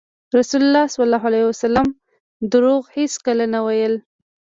رسول الله ﷺ دروغ هېڅکله نه ویل.